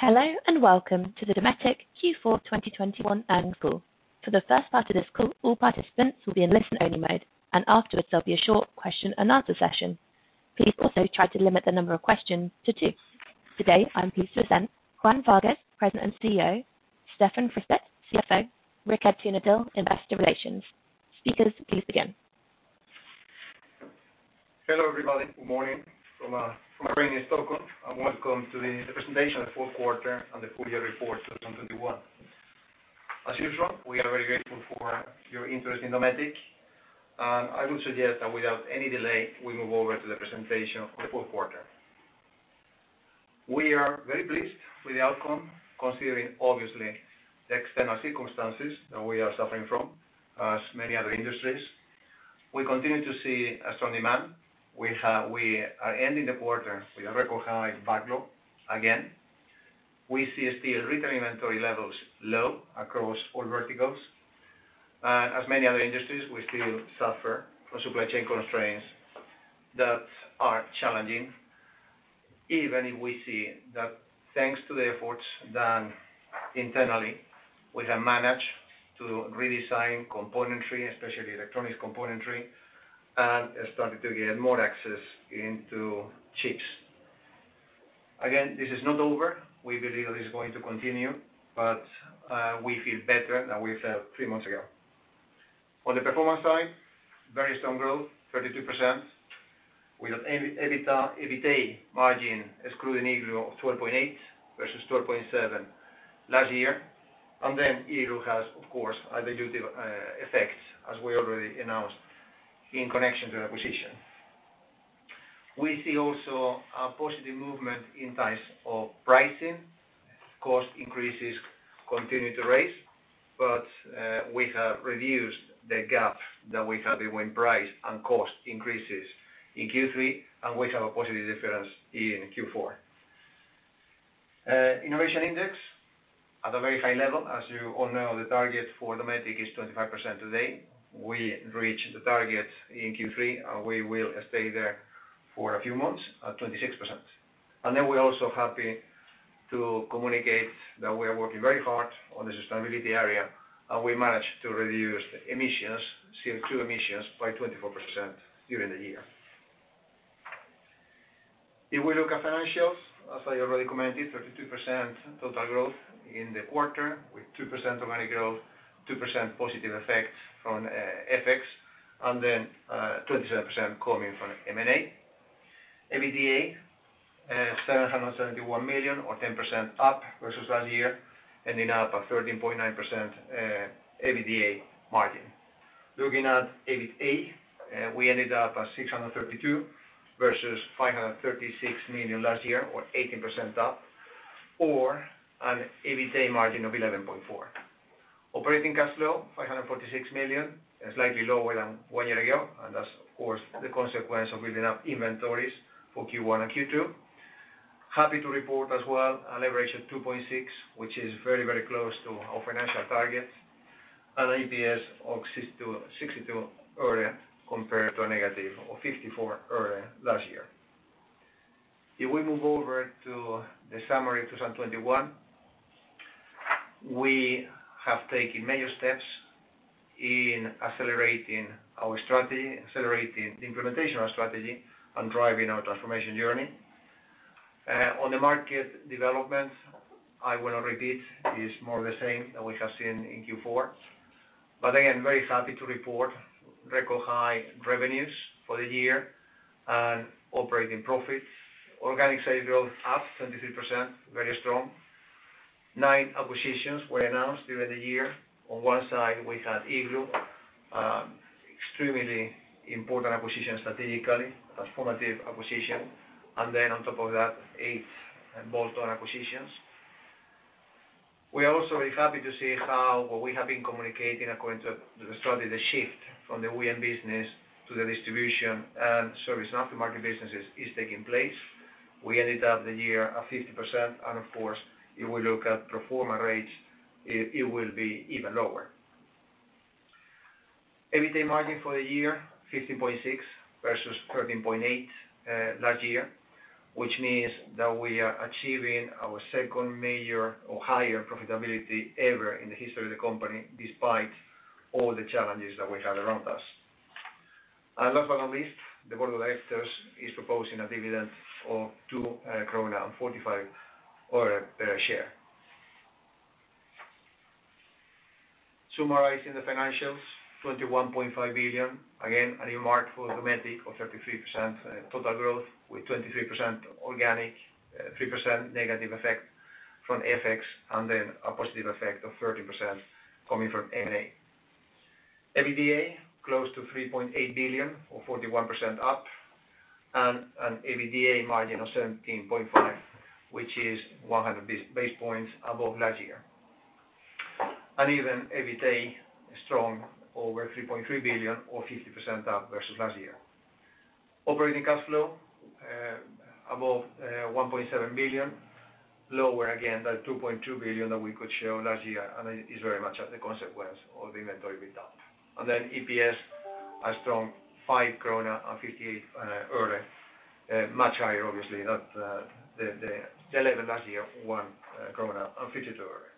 Hello, and welcome to the Dometic Q4 2021 earnings call. For the first part of this call, all participants will be in listen-only mode, and afterwards, there'll be a short question and answer session. Please also try to limit the number of questions to two. Today, I'm pleased to present Juan Vargues, President and CEO, Stefan Fristedt, CFO, Rikard Tunedal, Investor Relations. Speakers, please begin. Hello, everybody. Good morning from our office in Stockholm, and welcome to the presentation of the fourth quarter and the full year report, 2021. As usual, we are very grateful for your interest in Dometic. I would suggest that without any delay, we move over to the presentation of the fourth quarter. We are very pleased with the outcome considering obviously the external circumstances that we are suffering from as many other industries. We continue to see a strong demand. We are ending the quarter with a record high backlog again. We see still retail inventory levels low across all verticals. As many other industries, we still suffer from supply chain constraints that are challenging, even if we see that thanks to the efforts done internally, we have managed to redesign componentry, especially electronics componentry, and started to get more access into chips. Again, this is not over. We believe that it's going to continue, but we feel better than we felt three months ago. On the performance side, very strong growth, 32%. We have EBITDA, EBITDA margin excluding Igloo of 12.8% versus 12.7% last year. Then Igloo has, of course, a dilutive effect as we already announced in connection to the acquisition. We see also a positive movement in terms of pricing. Cost increases continue to rise, but we have reduced the gap that we had between price and cost increases in Q3, and we have a positive difference in Q4. Innovation index at a very high level. As you all know, the target for Dometic is 25% today. We reached the target in Q3, and we will stay there for a few months at 26%. We're also happy to communicate that we are working very hard on the sustainability area, and we managed to reduce emissions, CO2 emissions by 24% during the year. If we look at financials, as I already commented, 32% total growth in the quarter with 2% organic growth, 2% positive effect from FX, and then 27% coming from M&A. EBITDA 771 million or 10% up versus last year, ending up at 13.9% EBITDA margin. Looking at EBITA, we ended up at 632 million versus 536 million last year or 18% up, or an EBITA margin of 11.4%. Operating cash flow 546 million, slightly lower than one year ago. That's of course the consequence of building up inventories for Q1 and Q2. Happy to report as well a leverage of 2.6, which is very, very close to our financial targets. EPS of 62 öre compared to a negative of 54 öre last year. If we move over to the summary of 2021, we have taken major steps in accelerating our strategy, accelerating the implementation of our strategy, and driving our transformation journey. On the market development, I will not repeat. It's more or less the same that we have seen in Q4. Again, very happy to report record high revenues for the year and operating profits. Organic sales growth up 23%, very strong. Nine acquisitions were announced during the year. On one side, we had Igloo, extremely important acquisition strategically, a formative acquisition. On top of that, 8 bolt-on acquisitions. We are also very happy to see how what we have been communicating according to the strategy, the shift from the OEM business to the distribution and service and aftermarket businesses is taking place. We ended up the year at 50% and of course, if we look at pro forma rates, it will be even lower. EBITA margin for the year, 15.6% versus 13.8% last year, which means that we are achieving our second major or higher profitability ever in the history of the company despite all the challenges that we have around us. Last but not least, the board of directors is proposing a dividend of 2 krona and 45 öre per share. Summarizing the financials, 21.5 billion. Again, a remarkable Dometic of 33% total growth with 23% organic, 3% negative effect from FX, and then a positive effect of 13% coming from M&A. EBITDA close to 3.8 billion or 41% up, and an EBITDA margin of 17.5%, which is 100 basis points above last year. Even EBITA strong over 3.3 billion or 50% up versus last year. Operating cash flow above 1.7 billion, lower again than 2.2 billion that we could show last year, and is very much as a consequence of the inventory build-up. EPSA strong 5 krona and 58 öre. Much higher, obviously, not the level last year, 1 krona and 52 öre.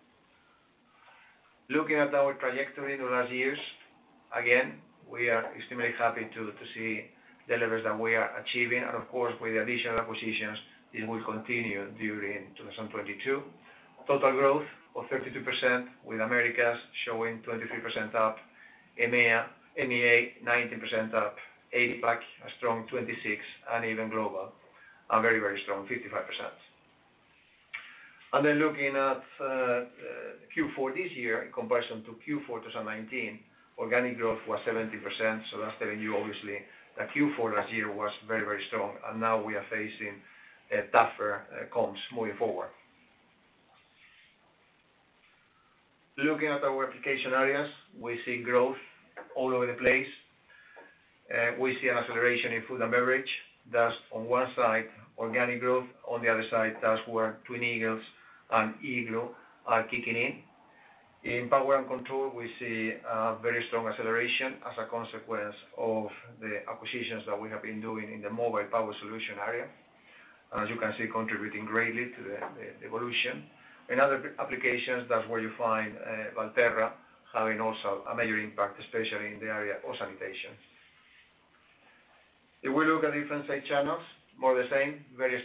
Looking at our trajectory in the last years, again, we are extremely happy to see the levels that we are achieving. Of course, with the additional acquisitions, it will continue during 2022. Total growth of 32% with Americas showing 23% up. EMEA 19% up. APAC, a strong 26%, and even Global, a very, very strong 55%. Looking at Q4 this year in comparison to Q4 2019, organic growth was 70%. That's telling you obviously that Q4 last year was very, very strong, and now we are facing tougher comps moving forward. Looking at our application areas, we see growth all over the place. We see an acceleration in food and beverage. That's on one side, organic growth. On the other side, that's where Twin Eagles and Igloo are kicking in. In power and control, we see a very strong acceleration as a consequence of the acquisitions that we have been doing in the mobile power solution area. As you can see, contributing greatly to the evolution. In other applications, that's where you find Valterra having also a major impact, especially in the area of sanitation. If we look at different sales channels, more or less the same. Very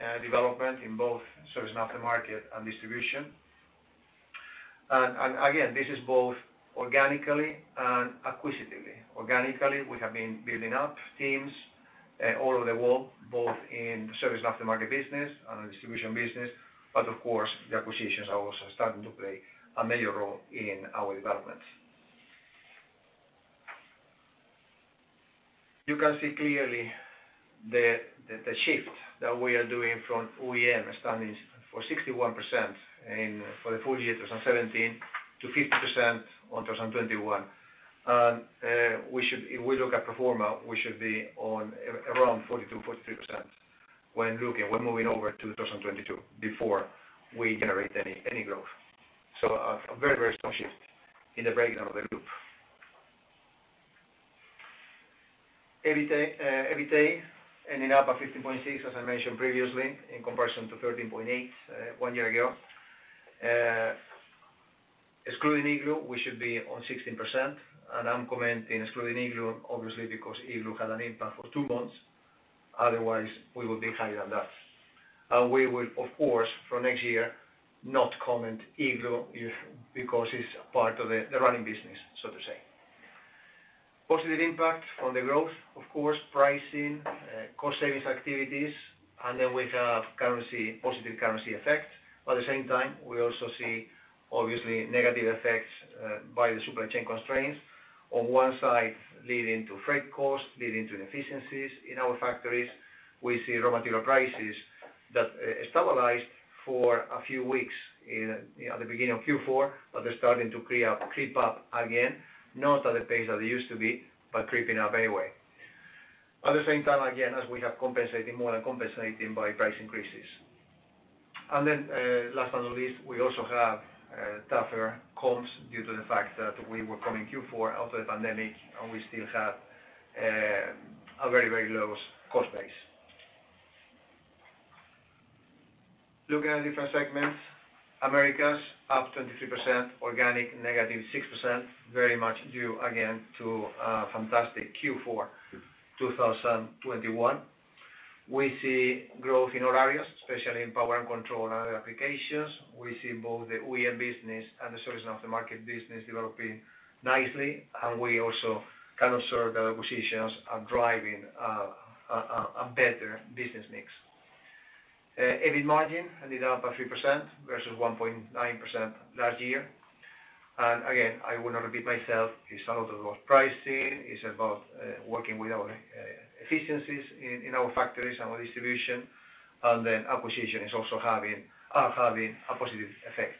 strong development in both service aftermarket and distribution. Again, this is both organically and acquisitively. Organically, we have been building up teams all over the world, both in service aftermarket business and the distribution business. Of course, the acquisitions are also starting to play a major role in our development. You can see clearly the shift that we are doing from OEM starting at 61% for the full year 2017 to 50% in 2021. If we look at pro forma, we should be on around 42-43% when moving over to 2022 before we generate any growth. A very strong shift in the breakdown of the group. EBITA ending up at 15.6, as I mentioned previously, in comparison to 13.8 one year ago. Excluding Igloo, we should be on 16%. I'm commenting excluding Igloo, obviously, because Igloo had an impact for two months. Otherwise, we would be higher than that. We will, of course, for next year, not comment Igloo if, because it's part of the running business, so to say. Positive impact from the growth, of course, pricing, cost savings activities, and then we have currency, positive currency effect. At the same time, we also see obviously negative effects by the supply chain constraints. On one side, leading to freight costs, leading to inefficiencies in our factories. We see raw material prices that stabilized for a few weeks in, you know, the beginning of Q4, but they're starting to creep up again. Not at the pace that they used to be, but creeping up anyway. At the same time, again, as we have compensating, more than compensating by price increases. Last but not least, we also have tougher comps due to the fact that we were coming Q4 out of the pandemic, and we still had a very, very low cost base. Looking at different segments, Americas up 23%, organic -6%, very much due again to a fantastic Q4 2021. We see growth in all areas, especially in power and control and other applications. We see both the OEM business and the service aftermarket business developing nicely. And we also can observe the acquisitions are driving a better business mix. EBIT margin ended up at 3% versus 1.9% last year. And again, I will not repeat myself. It's a lot about pricing. It's about working with our efficiencies in our factories and our distribution. Acquisitions are having a positive effect.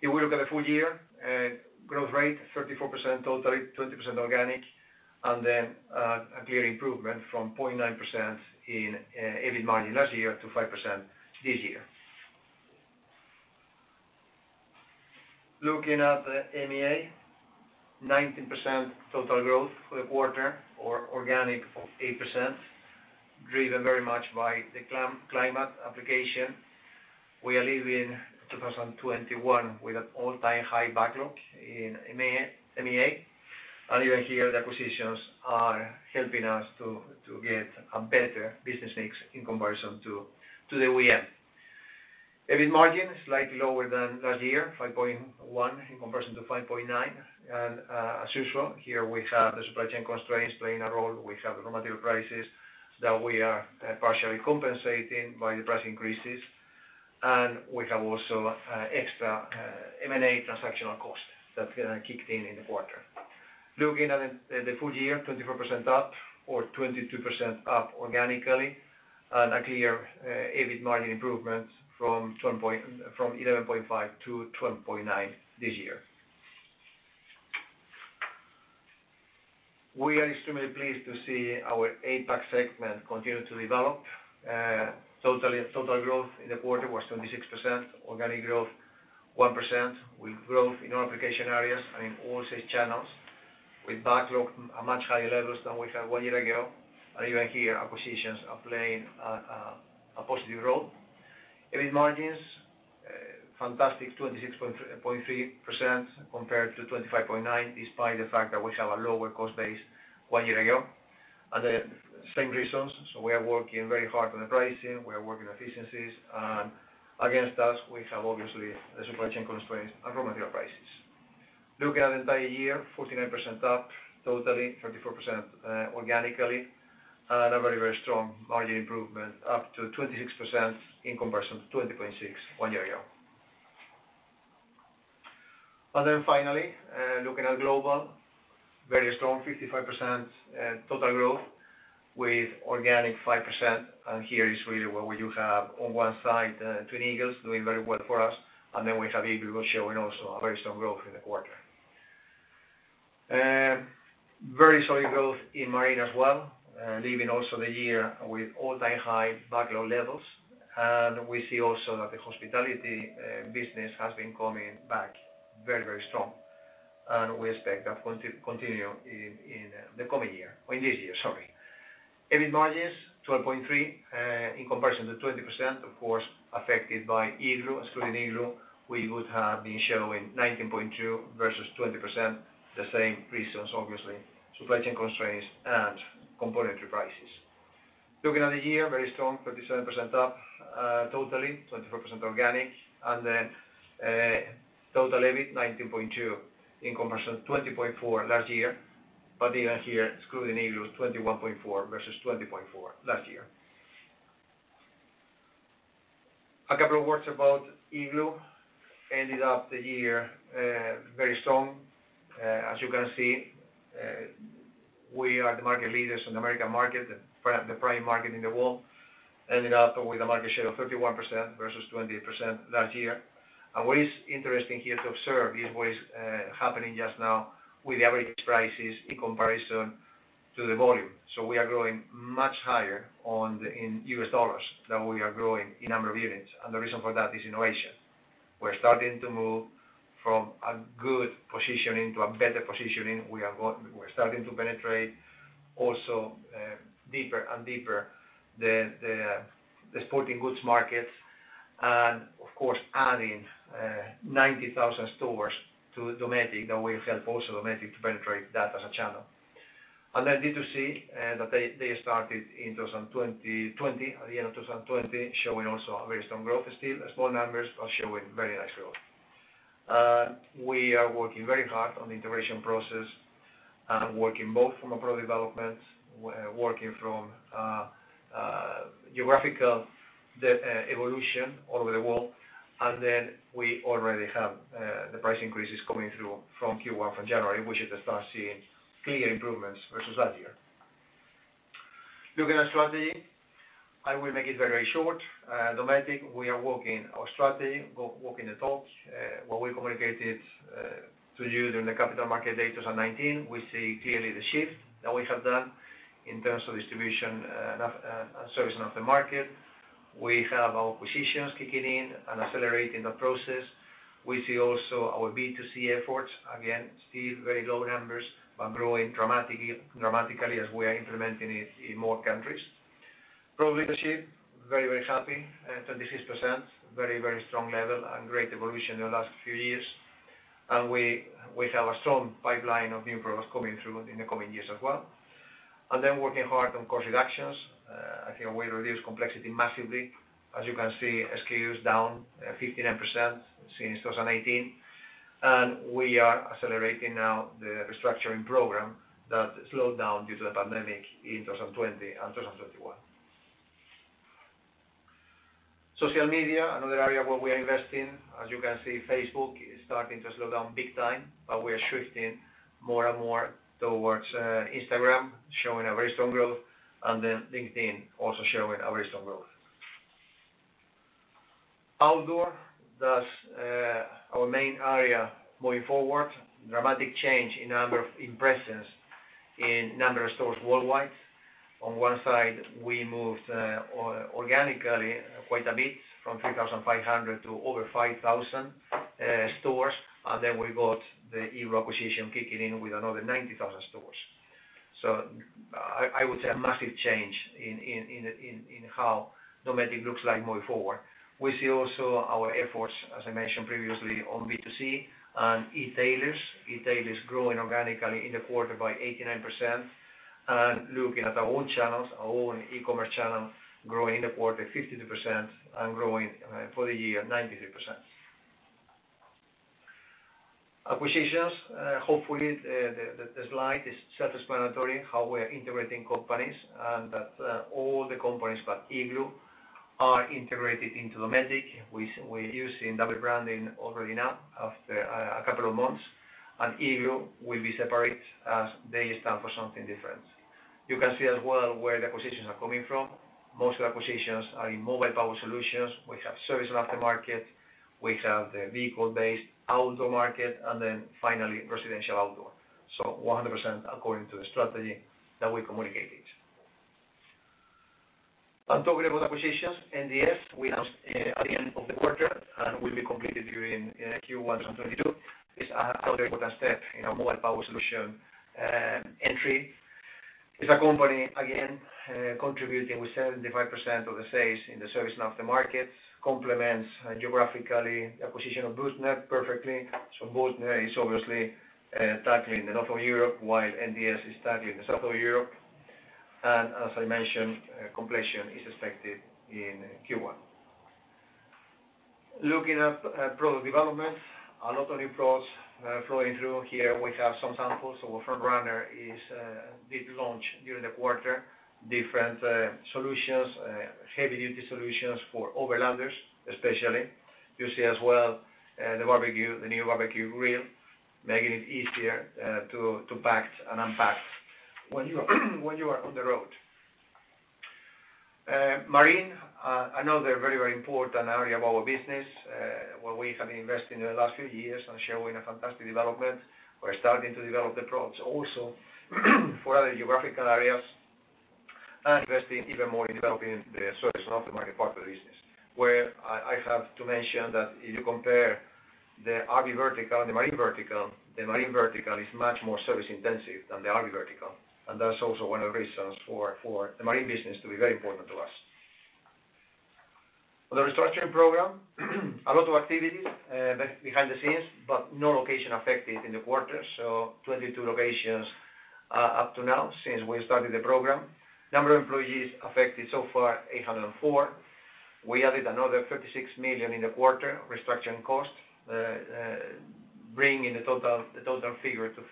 If we look at the full year, growth rate 34% total, 20% organic, and a clear improvement from 0.9% in EBIT margin last year to 5% this year. Looking at the EMEA, 19% total growth for the quarter organic of 8%, driven very much by the climate application. We are leaving 2021 with an all-time high backlog in EMEA. Even here, the acquisitions are helping us to get a better business mix in comparison to the OEM. EBIT margin is slightly lower than last year, 5.1% in comparison to 5.9%. As usual, here we have the supply chain constraints playing a role. We have the raw material prices that we are partially compensating by the price increases. We have also extra M&A transactional costs that kicked in in the quarter. Looking at the full year, 24% up or 22% up organically. A clear EBIT margin improvement from 11.5% to 12.9% this year. We are extremely pleased to see our APAC segment continue to develop. Total growth in the quarter was 26%. Organic growth 1%, with growth in all application areas and in all sales channels. With backlog at much higher levels than we had one year ago. Even here, acquisitions are playing a positive role. EBIT margins, fantastic, 26.3% compared to 25.9%, despite the fact that we have a lower cost base one year ago. The same reasons, so we are working very hard on the pricing, we are working efficiencies. Against us, we have obviously the supply chain constraints and raw material prices. Looking at the entire year, 49% up totally, 34%, organically. A very, very strong margin improvement, up to 26% in comparison to 20.6 one year ago. Finally, looking at Global, very strong 55% total growth with organic 5%. Here is really where you have on one side, Twin Eagles doing very well for us. We have Igloo showing also a very strong growth in the quarter. Very solid growth in Marine as well. Leaving also the year with all-time high backlog levels. We see also that the hospitality business has been coming back very, very strong, and we expect that continue in the coming year or in this year, sorry. EBIT margins 12.3% in comparison to 20%, of course, affected by Igloo. Excluding Igloo, we would have been showing 19.2% versus 20%. The same reasons, obviously, supply chain constraints and component prices. Looking at the year, very strong, 37% up totally, 24% organic. Total EBIT 19.2% in comparison to 20.4% last year. Even here, excluding Igloo, 21.4% versus 20.4% last year. A couple of words about Igloo. Ended the year very strong. As you can see, we are the market leaders in the American market, the prime market in the world. Ended up with a market share of 31% versus 20% last year. What is interesting here to observe is what is happening just now with the average prices in comparison to the volume. We are growing much higher in U.S. Dollars than we are growing in number of units. The reason for that is innovation. We're starting to move from a good positioning to a better positioning. We're starting to penetrate also deeper and deeper the sporting goods markets and of course adding 90,000 stores to Dometic. That will help also Dometic to penetrate that as a channel. B2C, that they started in 2020, at the end of 2020, showing also a very strong growth still. Small numbers are showing very nice growth. We are working very hard on the integration process and working both from a product development, working from geographical evolution all over the world. We already have the price increases coming through from Q1, from January. We should start seeing clear improvements versus last year. Looking at strategy, I will make it very short. Dometic, we are working our strategy, working the top. What we communicated to you during the Capital Markets Day, 2019. We see clearly the shift that we have done in terms of distribution and servicing of the market. We have our acquisitions kicking in and accelerating the process. We see also our B2C efforts, again, still very low numbers, but growing dramatically as we are implementing it in more countries. Product leadership, very, very happy. 36%, very, very strong level and great evolution in the last few years. We have a strong pipeline of new products coming through in the coming years as well. Working hard on cost reductions. I think we reduced complexity massively. As you can see, SKUs down 59% since 2018. We are accelerating now the restructuring program that slowed down due to the pandemic in 2020 and 2021. Social media, another area where we are investing. As you can see, Facebook is starting to slow down big time, but we are shifting more and more towards Instagram, showing a very strong growth, and then LinkedIn also showing a very strong growth. Outdoor, that's our main area moving forward. Dramatic change in number of impressions in number of stores worldwide. On one side, we moved organically quite a bit from 3,500 to over 5,000 stores. Then we got the Igloo acquisition kicking in with another 90,000 stores. I would say a massive change in how Dometic looks like moving forward. We see also our efforts, as I mentioned previously, on B2C and e-tailers. E-tailers growing organically in the quarter by 89%. Looking at our own channels, our own e-commerce channels, growing in the quarter 52% and growing for the year 93%. Acquisitions. Hopefully, the slide is self-explanatory, how we are integrating companies, and that all the companies but Igloo are integrated into Dometic. We're using double branding already now after a couple of months, and Igloo will be separate as they stand for something different. You can see as well where the acquisitions are coming from. Most of the acquisitions are in mobile power solutions. We have service aftermarket, we have the vehicle-based outdoor market, and then finally, residential outdoor. So 100% according to the strategy that we communicated. Talking about acquisitions, NDS, we announced at the end of the quarter and will be completed during Q1 2022. It's another important step in our mobile power solution entry. It's a company, again, contributing with 75% of the sales in the service after market, complements geographically acquisition of Büttner perfectly. Büttner is obviously tackling the north of Europe, while NDS is tackling the south of Europe. As I mentioned, completion is expected in Q1. Looking at product development, a lot of new products flowing through here. We have some samples. Front Runner did launch during the quarter, different solutions, heavy-duty solutions for overlanders, especially. You see as well the barbecue, the new barbecue grill, making it easier to pack and unpack when you are on the road. Marine, another very, very important area of our business, where we have been investing in the last few years and showing a fantastic development. We're starting to develop the products also for other geographical areas and investing even more in developing the solution of the market part of the business, where I have to mention that if you compare the RV vertical and the marine vertical, the marine vertical is much more service-intensive than the RV vertical, and that's also one of the reasons for the marine business to be very important to us. On the restructuring program, a lot of activities behind the scenes, but no location affected in the quarter, so 22 locations up to now since we started the program. Number of employees affected so far, 804. We added another 36 million in the quarter, restructuring costs, bringing the total figure to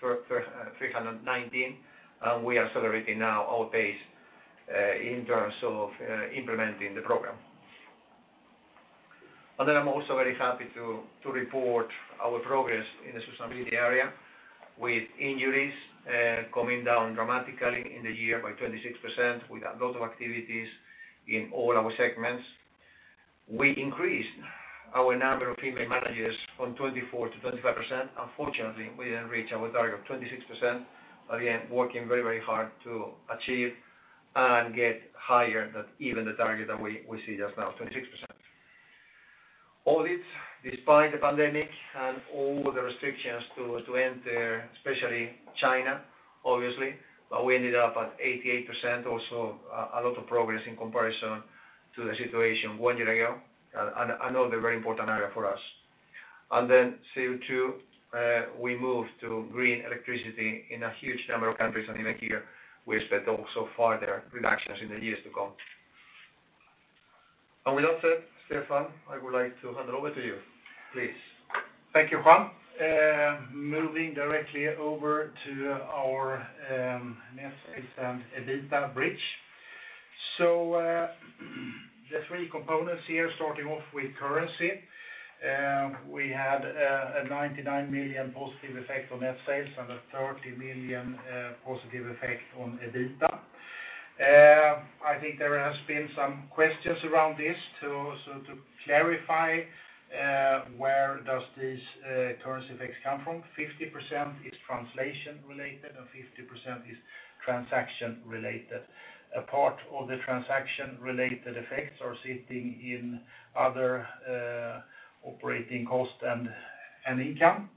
319 million. We are accelerating now our pace in terms of implementing the program. I'm also very happy to report our progress in the sustainability area, with injuries coming down dramatically in the year by 26%. We got a lot of activities in all our segments. We increased our number of female managers from 24% to 25%. Unfortunately, we didn't reach our target of 26%. Again, working very hard to achieve and get higher than even the target that we see just now, 26%. Audits, despite the pandemic and all the restrictions to enter, especially China, obviously, but we ended up at 88%. Also a lot of progress in comparison to the situation one year ago. Another very important area for us. CO2, we moved to green electricity in a huge number of countries in the year. We expect also further reductions in the years to come. With that said, Stefan, I would like to hand over to you, please. Thank you, Juan. Moving directly over to our net sales and EBITDA bridge. The three components here, starting off with currency. We had a 99 million positive effect on net sales and a 30 million positive effect on EBITDA. I think there has been some questions around this too, to clarify, where does these currency effects come from. 50% is translation related, and 50% is transaction related. A part of the transaction related effects are sitting in other operating costs and income.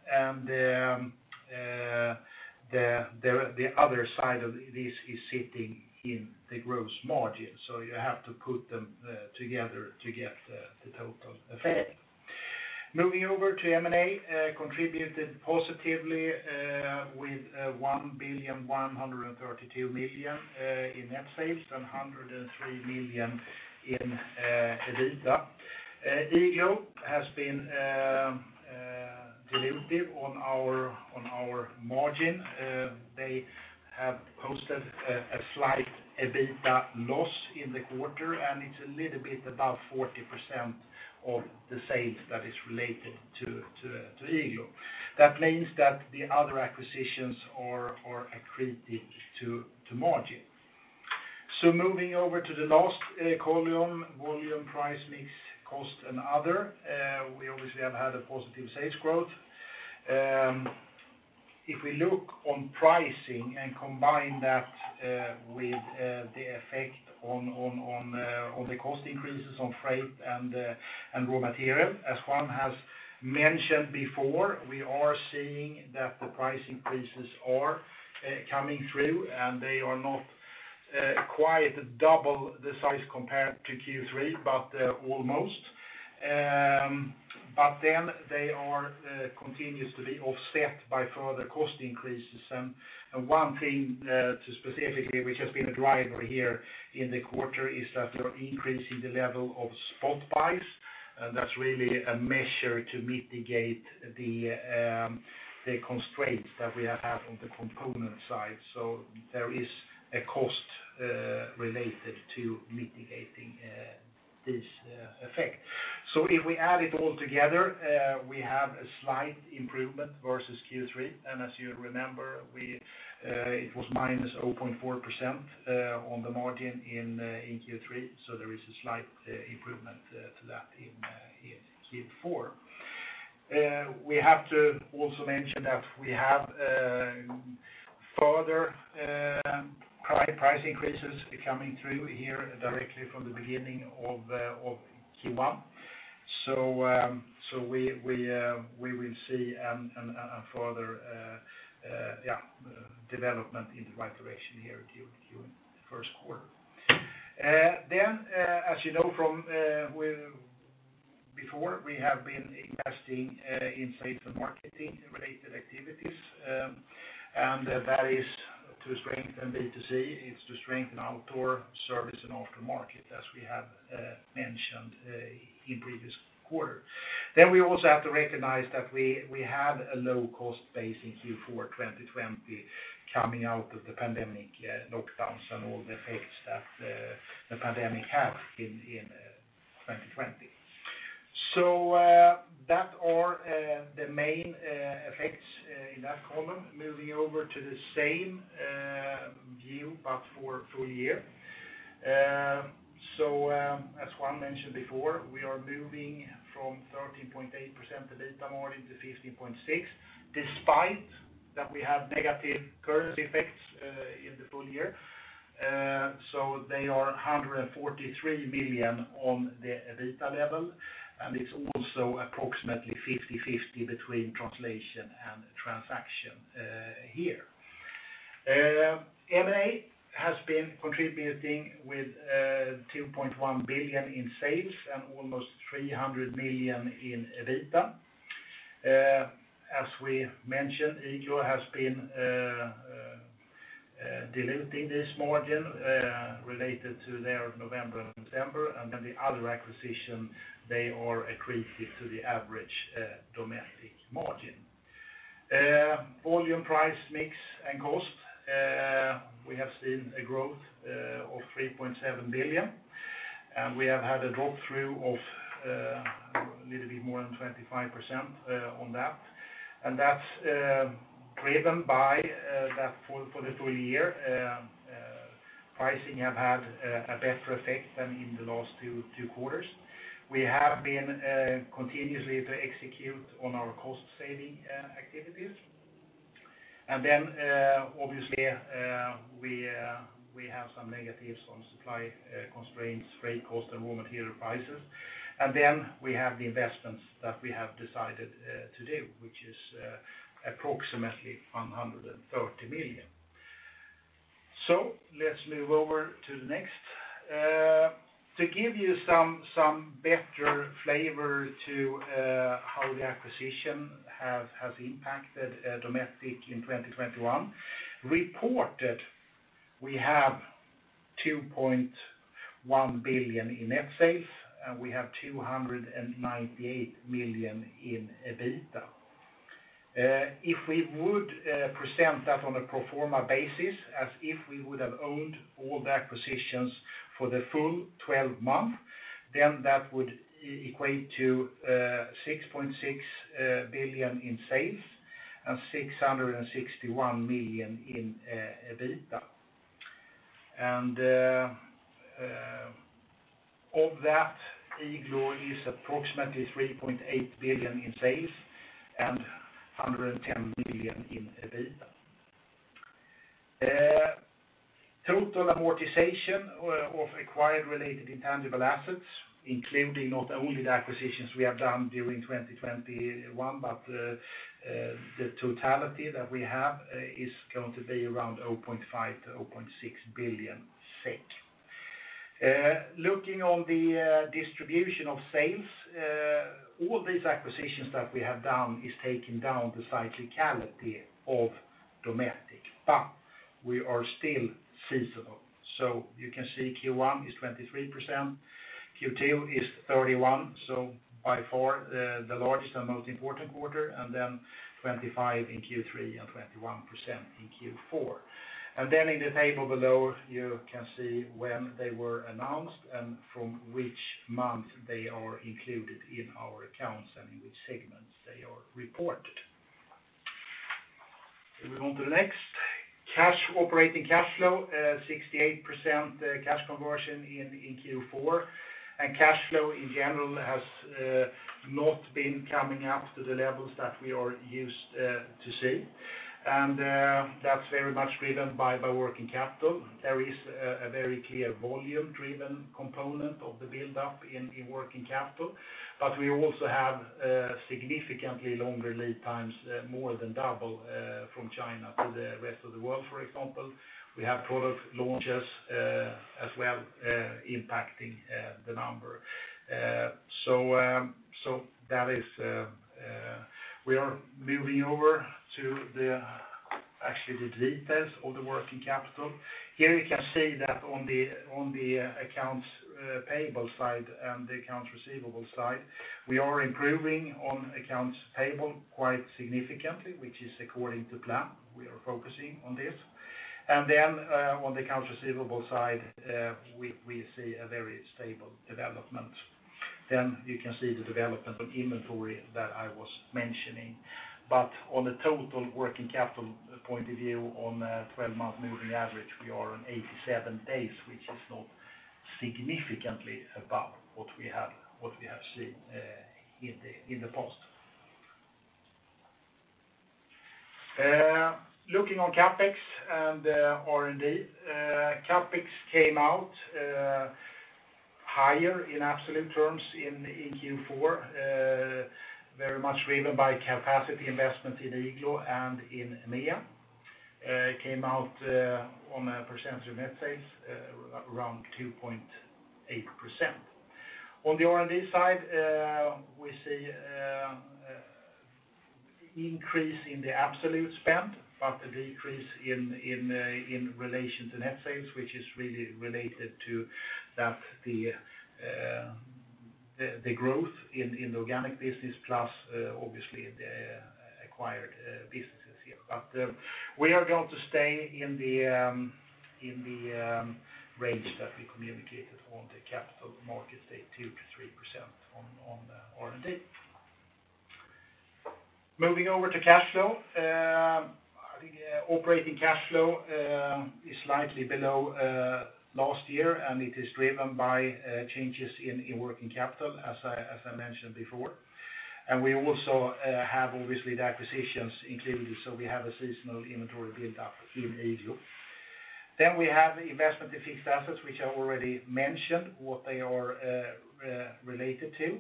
The other side of this is sitting in the gross margin. You have to put them together to get the total effect. Moving over to M&A contributed positively with 1,132 million in net sales and 103 million in EBITDA. Igloo has been dilutive on our margin. They have posted a slight EBITDA loss in the quarter, and it's a little bit about 40% of the sales that is related to Igloo. That means that the other acquisitions are accretive to margin. Moving over to the last column, volume, price, mix, cost, and other. We obviously have had a positive sales growth. If we look on pricing and combine that with the effect on the cost increases on freight and raw material, as Juan has mentioned before, we are seeing that the price increases are coming through, and they are not quite double the size compared to Q3, but almost. They are continues to be offset by further cost increases. One thing specifically, which has been a driver here in the quarter, is that we're increasing the level of spot buys. That's really a measure to mitigate the constraints that we have had on the component side. There is a cost related to mitigating this effect. If we add it all together, we have a slight improvement versus Q3. As you remember, it was -0.4% on the margin in Q3, so there is a slight improvement to that in Q4. We have to also mention that we have further price increases coming through here directly from the beginning of Q1. We will see a further development in the right direction here in Q1 first quarter. As you know from before, we have been investing in sales and marketing-related activities, and that is to strengthen B2C, it's to strengthen outdoor service and aftermarket, as we have mentioned in previous quarter. We also have to recognize that we had a low cost base in Q4 2020 coming out of the pandemic, lockdowns and all the effects that the pandemic had in 2020. Those are the main effects in that column. Moving over to the same view but for full year. As Juan mentioned before, we are moving from 13.8% EBITDA margin to 15.6%, despite that we have negative currency effects in the full year. They are 143 million on the EBITDA level, and it's also approximately 50/50 between translation and transaction here. M&A has been contributing with 2.1 billion in sales and almost 300 million in EBITDA. As we mentioned, Igloo has been diluting this margin related to their November and December, and then the other acquisition, they are accretive to the average Dometic margin. Volume, price, mix, and cost. We have seen a growth of 3.7 billion, and we have had a drop-through of a little bit more than 25% on that. That's driven by that for the full year, pricing have had a better effect than in the last two quarters. We have been continuously to execute on our cost saving activities. Obviously, we have some negatives on supply constraints, freight cost, and raw material prices. We have the investments that we have decided to do, which is approximately 130 million. Let's move over to the next. To give you some better flavor to how the acquisition has impacted Dometic in 2021 as reported, we have 2.1 billion in net sales, and we have 298 million in EBITDA. If we would present that on a pro forma basis as if we would have owned all the acquisitions for the full 12 months, then that would equate to 6.6 billion in sales and 661 million in EBITDA. Of that, Igloo is approximately 3.8 billion in sales and 110 million in EBITDA. Total amortization of acquired related intangible assets, including not only the acquisitions we have done during 2021, but the totality that we have, is going to be around 0.5 billion-0.6 billion SEK. Looking on the distribution of sales, all these acquisitions that we have done is taking down the cyclicality of Dometic, but we are still seasonal. You can see Q1 is 23%, Q2 is 31%, by far the largest and most important quarter, and then 25% in Q3, and 21% in Q4. In the table below, you can see when they were announced and from which month they are included in our accounts and in which segments they are reported. Can we move on to the next? Cash, operating cash flow, 68% cash conversion in Q4. Cash flow in general has not been coming up to the levels that we are used to see. That's very much driven by working capital. There is a very clear volume-driven component of the buildup in working capital, but we also have significantly longer lead times, more than double, from China to the rest of the world, for example. We have product launches as well, impacting the number. That is, we are moving over to actually the details of the working capital. Here you can see that on the accounts payable side and the accounts receivable side, we are improving on accounts payable quite significantly, which is according to plan. We are focusing on this. On the accounts receivable side, we see a very stable development. You can see the development of inventory that I was mentioning. On a total working capital point of view, on a 12-month moving average, we are on 87 days, which is not significantly above what we have seen in the past. Looking at CapEx and R&D, CapEx came out higher in absolute terms in Q4, very much driven by capacity investment in Igloo and in EMEA. It came out on a percentage of net sales around 2.8%. On the R&D side, we see an increase in the absolute spend, but a decrease in relation to net sales, which is really related to the growth in the organic business plus obviously the acquired businesses here. We are going to stay in the range that we communicated on the capital markets, 2%-3% on R&D. Moving over to cash flow. I think operating cash flow is slightly below last year, and it is driven by changes in working capital, as I mentioned before. We also have obviously the acquisitions included, so we have a seasonal inventory build-up in Igloo. We have the investment in fixed assets, which I already mentioned, what they are related to.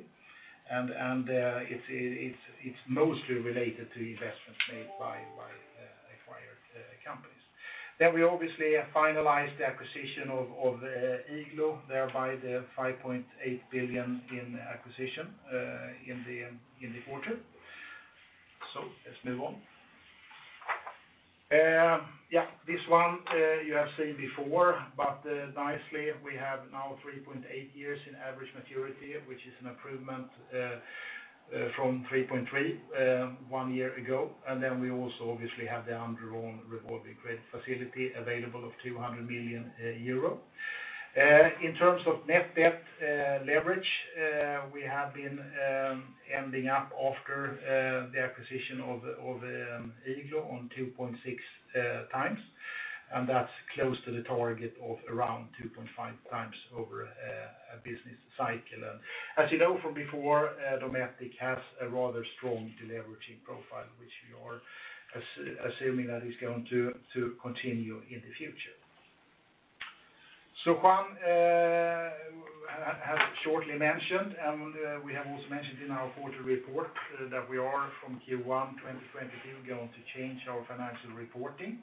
It is mostly related to investments made by acquired companies. We obviously have finalized the acquisition of Igloo, thereby the 5.8 billion acquisition in the quarter. Let's move on. Yeah, this one you have seen before, but nicely, we have now 3.8 years in average maturity, which is an improvement from 3.3 one year ago. Then we also obviously have the undrawn revolving credit facility available of 200 million euro. In terms of net debt leverage, we have been ending up after the acquisition of Igloo on 2.6 times, and that's close to the target of around 2.5 times over a business cycle. As you know from before, Dometic has a rather strong deleveraging profile, which we are assuming that is going to continue in the future. Juan Vargues has shortly mentioned, and we have also mentioned in our quarterly report, that we are from Q1 2022 going to change our financial reporting.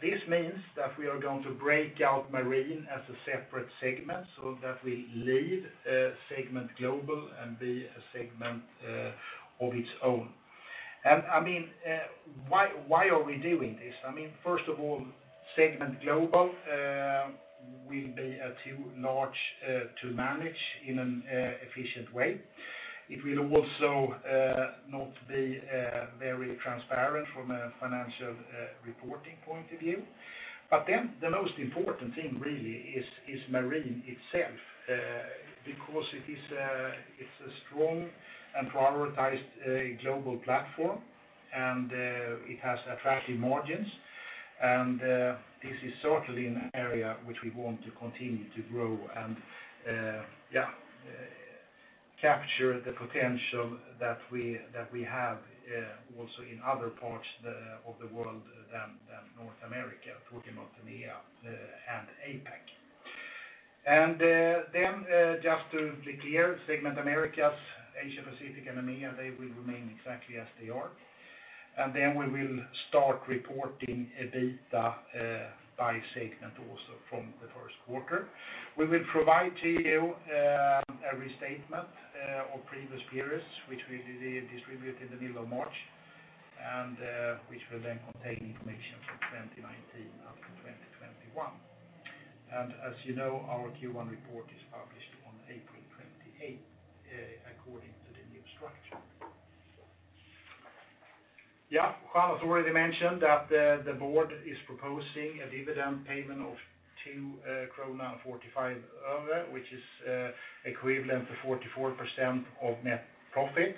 This means that we are going to break out Marine as a separate segment, so that will leave segment Global and be a segment of its own. I mean, why are we doing this? I mean, first of all, segment Global will be too large to manage in an efficient way. It will also not be very transparent from a financial reporting point of view. But then the most important thing really is Marine itself, because it's a strong and prioritized global platform, and it has attractive margins. This is certainly an area which we want to continue to grow and capture the potential that we have also in other parts of the world than North America, talking about EMEA and APAC. Just to be clear, segment Americas, Asia Pacific and EMEA, they will remain exactly as they are. We will start reporting EBITDA by segment also from the first quarter. We will provide to you a restatement of previous periods, which we did distribute in the middle of March, and which will then contain information from 2019 up to 2021. As you know, our Q1 report is published on April 28 according to the new structure. Juan has already mentioned that the board is proposing a dividend payment of 2 krona and 45 öre, which is equivalent to 44% of net profit.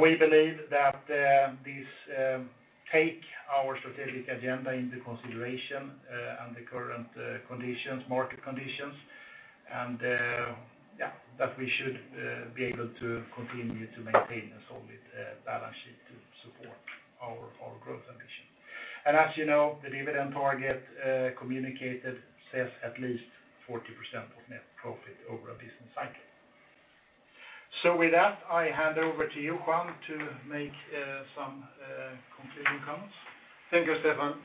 We believe that this takes our strategic agenda into consideration and the current market conditions and that we should be able to continue to maintain a solid balance sheet to support our growth ambition. As you know, the dividend target communicated says at least 40% of net profit over a business cycle. With that, I hand over to you, Juan, to make some concluding comments. Thank you, Stefan.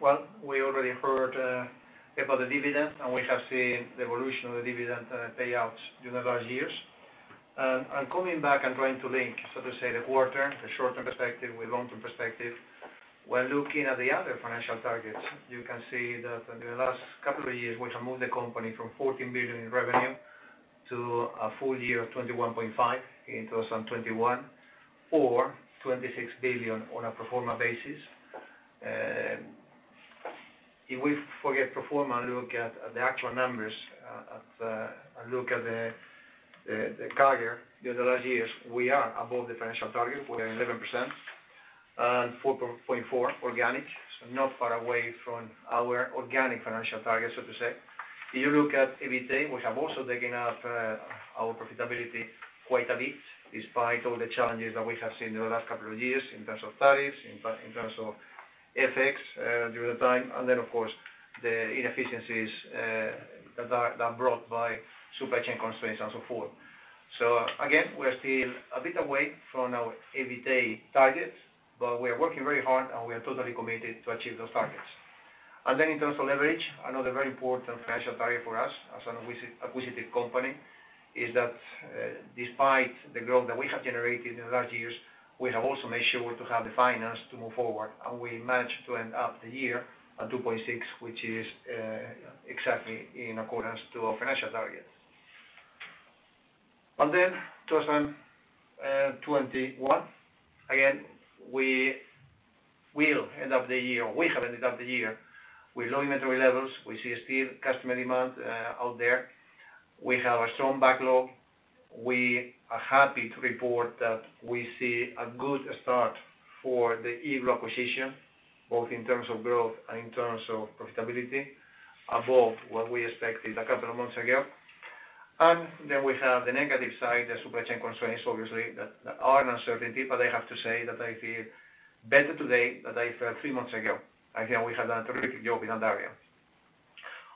Well, we already heard about the dividend, and we have seen the evolution of the dividend payouts during the last years. Coming back and trying to link, so to say, the quarter, the short-term perspective with long-term perspective, when looking at the other financial targets, you can see that in the last couple of years, we have moved the company from 14 billion in revenue to a full year of 21.5 billion in 2021 or 26 billion on a pro forma basis. If we forget pro forma and look at the actual numbers, and compare to the other years, we are above the financial target. We are at 11% and 4.4% organic, so not far away from our organic financial target, so to say. If you look at EBITA, we have also taken up our profitability quite a bit despite all the challenges that we have seen in the last couple of years in terms of tariffs, in terms of FX, during the time, and then of course, the inefficiencies that are brought by supply chain constraints and so forth. Again, we're still a bit away from our EBITA targets, but we are working very hard, and we are totally committed to achieve those targets. In terms of leverage, another very important financial target for us as an acquisitive company is that, despite the growth that we have generated in the last years, we have also made sure to have the financing to move forward, and we managed to end up the year at 2.6, which is exactly in accordance to our financial targets. In 2021, again, we will end up the year, or we have ended up the year with low inventory levels. We see a strong customer demand out there. We have a strong backlog. We are happy to report that we see a good start for the Igloo acquisition, both in terms of growth and in terms of profitability above what we expected a couple of months ago. We have the negative side, the supply chain constraints, obviously, that are an uncertainty. I have to say that I feel better today than I felt three months ago. I think we have done a terrific job in that area.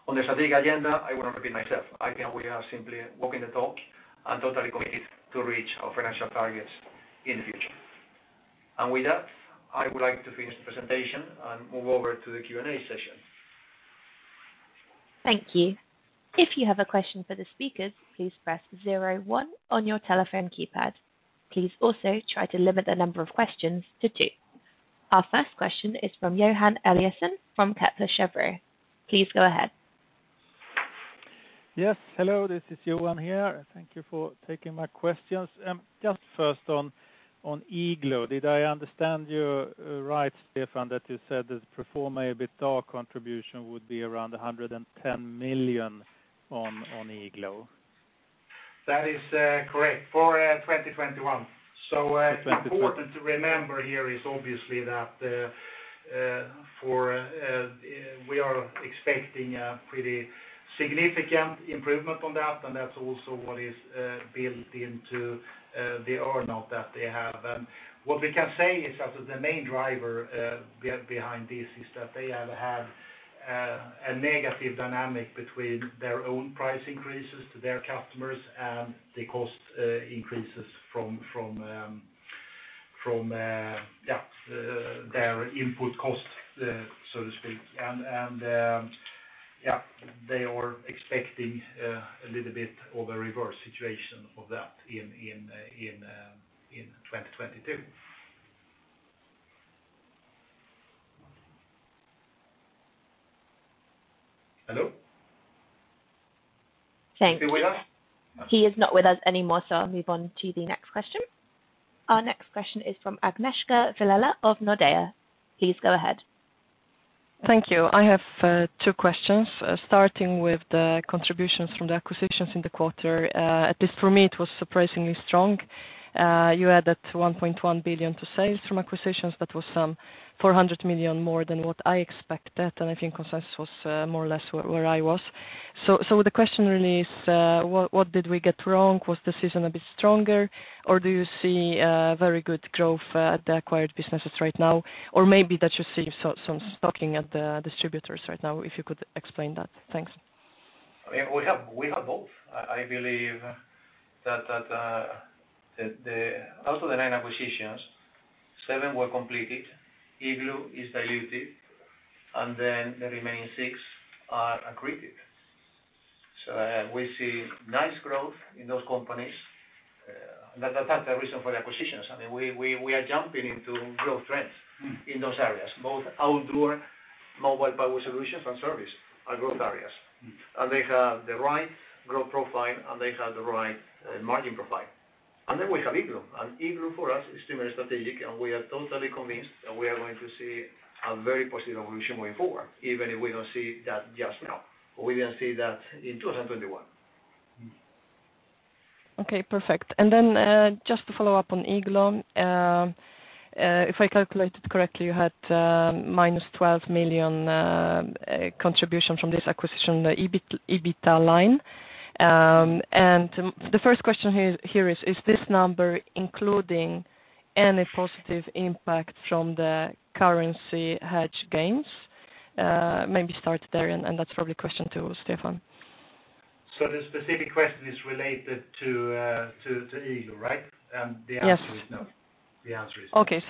On the strategic agenda, I will not repeat myself. I think we are simply walking the talk and totally committed to reach our financial targets in the future. With that, I would like to finish the presentation and move over to the Q&A session. Thank you. If you have a question for the speakers, please press zero one on your telephone keypad. Please also try to limit the number of questions to two. Our first question is from Johan Eliason from Kepler Cheuvreux. Please go ahead. Yes, hello, this is Johan here. Thank you for taking my questions. Just first on Igloo. Did I understand you right, Stefan, that you said the pro forma EBITDA contribution would be around 110 million on Igloo? That is correct for 2021. 2021. Important to remember here is obviously that we are expecting a pretty significant improvement on that, and that's also what is built into the earn out that they have. What we can say is that the main driver behind this is that they have had a negative dynamic between their own price increases to their customers and the cost increases from their input costs, so to speak. They are expecting a little bit of a reverse situation of that in 2022. Hello? Thank you. Is he with us? He is not with us anymore, so I'll move on to the next question. Our next question is from Agnieszka Vilela of Nordea. Please go ahead. Thank you. I have 2 questions, starting with the contributions from the acquisitions in the quarter. At least for me, it was surprisingly strong. You added 1.1 billion to sales from acquisitions. That was 400 million more than what I expected, and I think consensus was more or less where I was. The question really is, what did we get wrong? Was the season a bit stronger, or do you see very good growth at the acquired businesses right now? Or maybe that you see some stocking at the distributors right now, if you could explain that? Thanks. I mean, we have both. I believe that out of the 9 acquisitions, 7 were completed. Igloo is diluted, and then the remaining 6 are accretive. We see nice growth in those companies. That's not the reason for the acquisitions. I mean, we are jumping into growth trends in those areas. Both outdoor mobile power solutions and service are growth areas. They have the right growth profile, and they have the right margin profile. Then we have Igloo. Igloo for us is extremely strategic, and we are totally convinced that we are going to see a very positive evolution going forward, even if we don't see that just now. We will see that in 2021. Okay, perfect. Just to follow up on Igloo. If I calculated correctly, you had -12 million contribution from this acquisition on the EBIT, EBITDA line. The first question here is this number including any positive impact from the currency hedge gains? Maybe start there and that's probably a question to Stefan. The specific question is related to Igloo, right? Yes. The answer is no. The answer is no. Okay.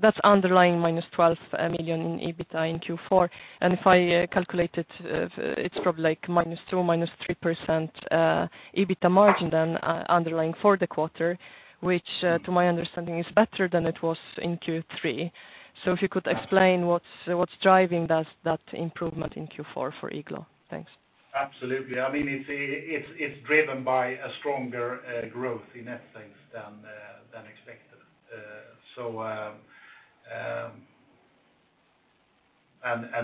That's underlying -12 million in EBITDA in Q4. If I calculate it's probably like -2% or -3% EBITDA margin then underlying for the quarter, which to my understanding is better than it was in Q3. If you could explain what's driving that improvement in Q4 for Igloo. Thanks. Absolutely. I mean, it's driven by a stronger growth in net sales than expected.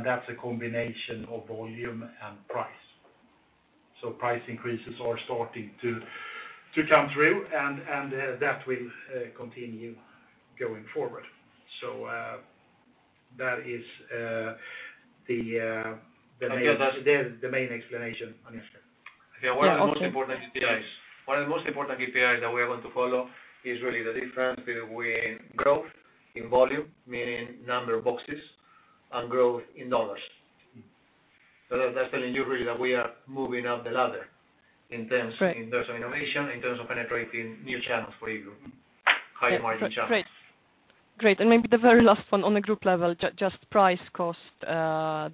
That's a combination of volume and price. Price increases are starting to come through and that will continue going forward. That is the main- I feel that- The main explanation, Juan. Yeah. One of the most important KPIs that we want to follow is really the difference between growth in volume, meaning number of boxes, and growth in dollars. That's telling you really that we are moving up the ladder in terms- Right. In terms of innovation, in terms of penetrating new channels for growth. Higher margin channels. Great. Maybe the very last one on the group level, just price cost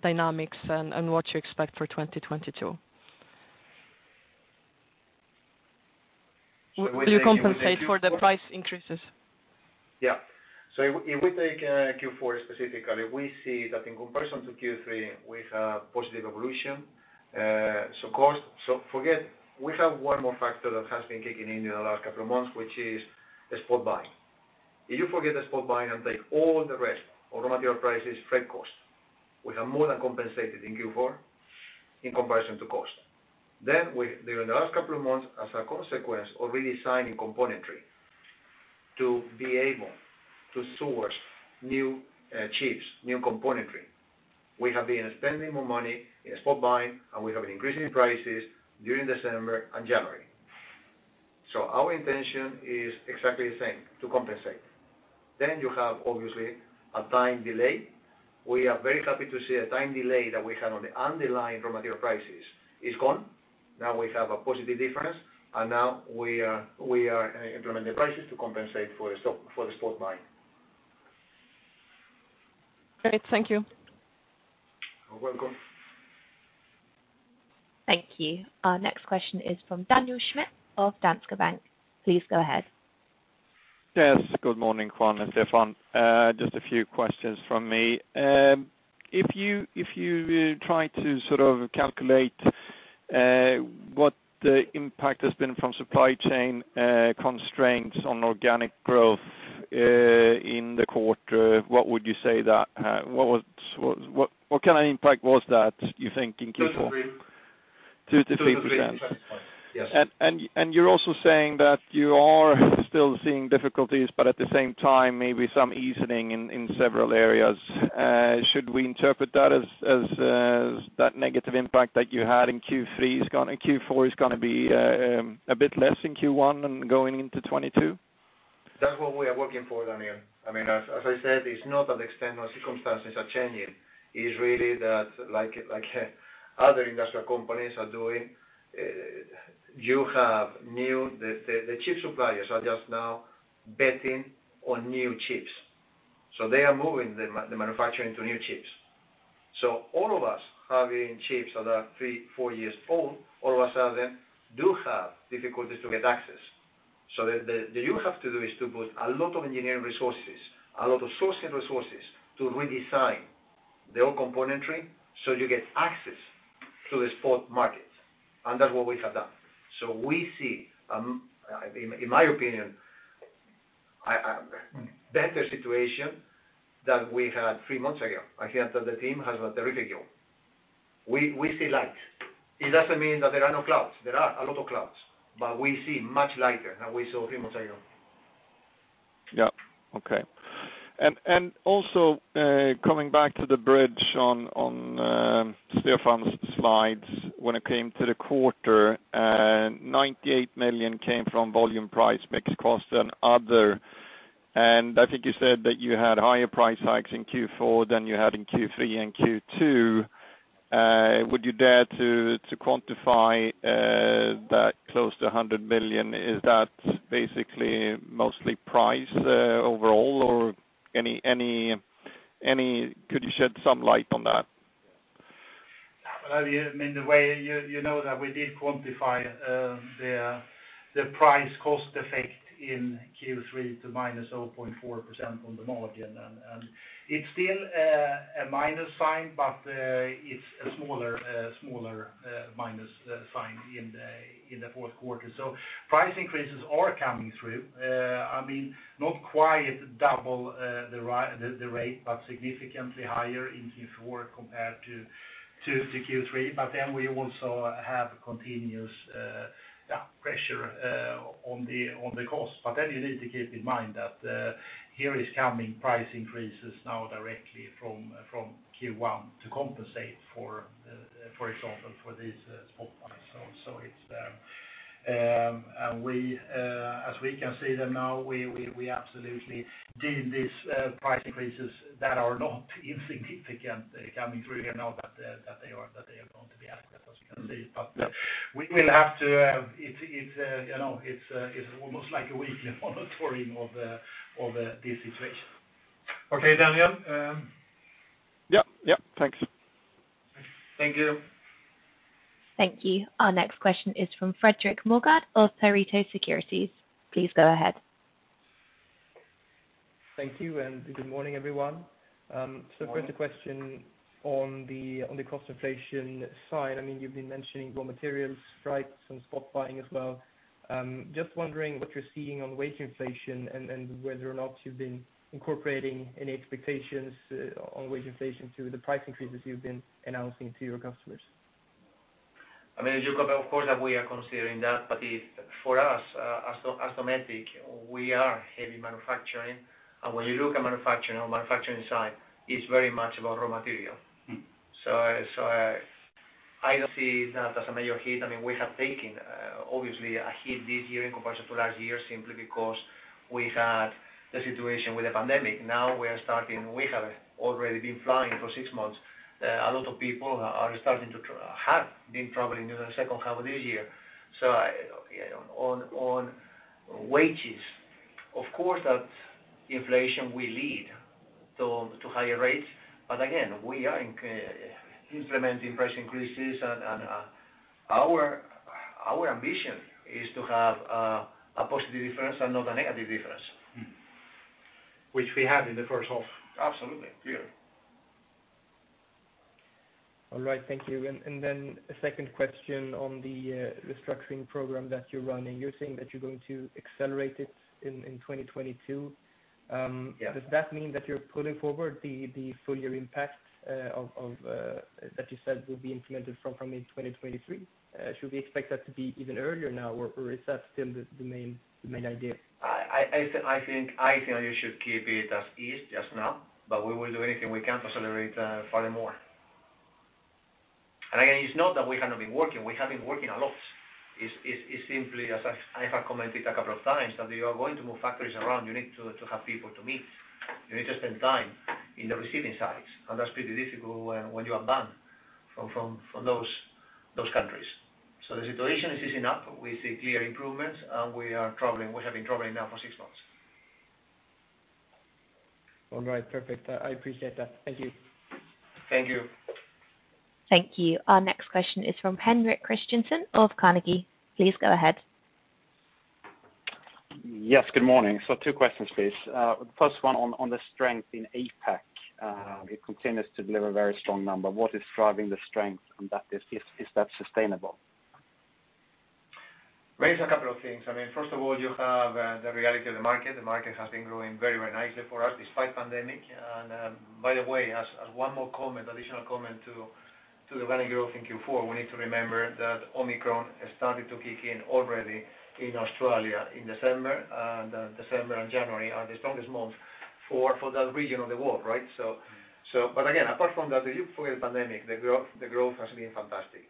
dynamics and what you expect for 2022. If we take Q4 Will you compensate for the price increases? If we take Q4 specifically, we see that in comparison to Q3, we have positive evolution. We have one more factor that has been kicking in the last couple of months, which is the spot buying. If you forget the spot buying and take all the rest, raw material prices, freight costs, we have more than compensated in Q4 in comparison to cost. We, during the last couple of months, as a consequence of redesigning componentry to be able to source new chips, new componentry, have been spending more money in spot buying, and we have an increase in prices during December and January. Our intention is exactly the same, to compensate. You have obviously a time delay. We are very happy to see a time delay that we had on the underlying raw material prices is gone. Now we have a positive difference, and now we are implementing prices to compensate for the spot buying. Great. Thank you. You're welcome. Thank you. Our next question is from Daniel Schmidt of Danske Bank. Please go ahead. Yes, good morning, Juan and Stefan. Just a few questions from me. If you try to sort of calculate what the impact has been from supply chain constraints on organic growth in the quarter, what would you say that was, what kind of impact was that you think in Q4? 2-3. 2%-3%. 2-3. 25. Yes. You're also saying that you are still seeing difficulties, but at the same time, maybe some easing in several areas. Should we interpret that as that negative impact that you had in Q3 Q4 is gonna be a bit less in Q1 than going into 2022? That's what we are working for, Daniel. I mean, as I said, it's not that external circumstances are changing. It's really that, like other industrial companies are doing, the chip suppliers are just now betting on new chips, so they are moving the manufacturing to new chips. All of us having chips that are 3-4 years old all of a sudden do have difficulties to get access. What you have to do is to put a lot of engineering resources, a lot of sourcing resources to redesign the old componentry, so you get access to the spot markets. That's what we have done. We see, in my opinion, a better situation than we had 3 months ago. I think that the team has done a terrific job. We see light. It doesn't mean that there are no clouds. There are a lot of clouds, but we see much lighter than we saw three months ago. Yeah. Okay. And also, coming back to the bridge on Stefan's slides, when it came to the quarter, 98 million came from volume, price, mix, cost, and other. I think you said that you had higher price hikes in Q4 than you had in Q3 and Q2. Would you dare to quantify that close to 100 million? Is that basically mostly price overall or any? Could you shed some light on that? Well, I mean, the way you know that we did quantify the price cost effect in Q3 to minus 0.4% on the margin. It's still a minus sign, but it's a smaller minus sign in the fourth quarter. Price increases are coming through. I mean, not quite double the rate, but significantly higher in Q4 compared to Q3. We also have continuous pressure on the cost. You need to keep in mind that here is coming price increases now directly from Q1 to compensate for example, for these spot buys. It's and we as we can see them now, we absolutely need these price increases that are not insignificant coming through here now that they are going to be accurate, as you can see. We will have to. It's, you know, it's almost like a weekly monitoring of this situation. Okay, Daniel. Yeah. Yeah. Thanks. Thank you. Thank you. Our next question is from Fredrik Moregård of Pareto Securities. Please go ahead. Thank you, and good morning, everyone. First a question on the cost inflation side. I mean, you've been mentioning raw materials, strikes, and spot buying as well. Just wondering what you're seeing on wage inflation and whether or not you've been incorporating any expectations on wage inflation to the price increases you've been announcing to your customers? I mean, Jacob, of course that we are considering that. But if for us, as Dometic, we are heavy manufacturing. When you look at manufacturing side, it's very much about raw material. Mm. I don't see that as a major hit. I mean, we have taken obviously a hit this year in comparison to last year simply because we had the situation with the pandemic. Now we have already been flying for six months. A lot of people have been traveling during the second half of this year. On wages, of course, that inflation will lead to higher rates. Again, we are implementing price increases. Our ambition is to have a positive difference and not a negative difference. Mm. Which we have in the first half. Absolutely. Clearly. All right. Thank you. A second question on the restructuring program that you're running. You're saying that you're going to accelerate it in 2022. Yeah. Does that mean that you're pulling forward the full year impact of that you said will be implemented from mid-2023? Should we expect that to be even earlier now or is that still the main idea? I think you should keep it as is just now, but we will do anything we can to accelerate furthermore. Again, it's not that we have not been working. We have been working a lot. It's simply as I have commented a couple of times that if you are going to move factories around, you need to have people to meet. You need to spend time in the receiving sites, and that's pretty difficult when you are banned from those countries. The situation is easing up. We see clear improvements, and we are traveling. We have been traveling now for six months. All right. Perfect. I appreciate that. Thank you. Thank you. Thank you. Our next question is from Henrik Christiansson of Carnegie. Please go ahead. Yes, good morning. Two questions, please. First one on the strength in APAC. It continues to deliver very strong number. What is driving the strength, and is that sustainable? There is a couple of things. I mean, first of all, you have the reality of the market. The market has been growing very, very nicely for us despite pandemic. By the way, as one more comment, additional comment to the organic growth in Q4, we need to remember that Omicron has started to kick in already in Australia in December. December and January are the strongest months for that region of the world, right? But again, apart from that, if you forget the pandemic, the growth has been fantastic.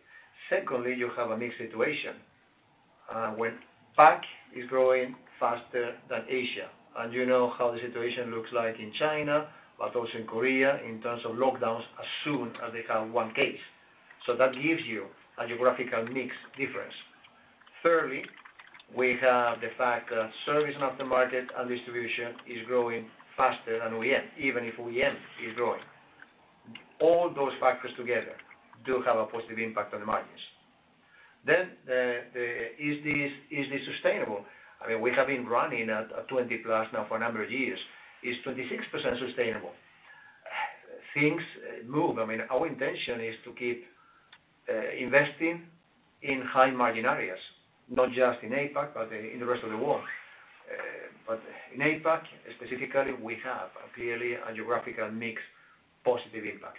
Secondly, you have a mixed situation, where APAC is growing faster than Asia. You know how the situation looks like in China, but also in Korea in terms of lockdowns as soon as they have one case. That gives you a geographical mix difference. Thirdly, we have the fact that service aftermarket and distribution is growing faster than OEM, even if OEM is growing. All those factors together do have a positive impact on the margins. Is this sustainable? I mean, we have been running at a 20+ now for a number of years. Is 26% sustainable? Things move. I mean, our intention is to keep investing in high margin areas, not just in APAC, but in the rest of the world. But in APAC specifically, we have clearly a geographical mix positive impact.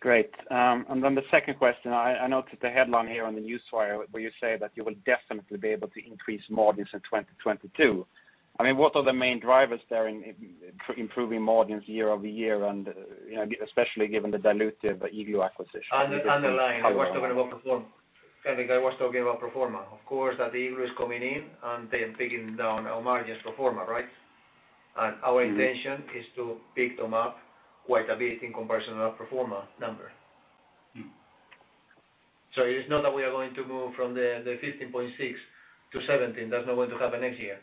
Great. The second question. I noticed the headline here on the newswire where you say that you will definitely be able to increase margins in 2022. I mean, what are the main drivers there in improving margins year-over-year and, you know, especially given the dilutive Igloo acquisition. Underlying. How are- Henrik, I was talking about pro forma. Of course, that the Igloo is coming in, and they are bringing down our margins pro forma, right? Mm-hmm. Our intention is to pick them up quite a bit in comparison to that pro forma number. Mm. It's not that we are going to move from the 15.6%-17%. That's not going to happen next year.